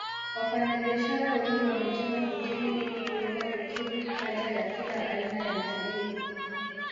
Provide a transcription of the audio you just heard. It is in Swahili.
Wafanyabiashara wengi wamejenga hoteli ili kuweza kukidhi haja ya kila aina ya mtalii